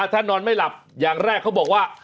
ถ้านอนไม่หลับอย่างแรกเขาบอกว่า